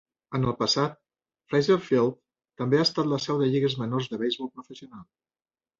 En el passat, Fraser Field també ha estat la seu de lligues menors de beisbol professional.